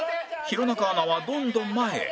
弘中アナはどんどん前へ